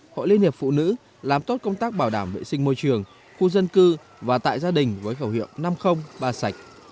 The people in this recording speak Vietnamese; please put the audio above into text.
hội liên hiệp phụ nữ làm tốt công tác bảo đảm vệ sinh môi trường khu dân cư và tại gia đình với khẩu hiệu năm trăm linh ba sạch